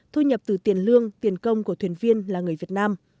thu nhập từ tiền lương tiền công của thuyền viên là người việt nam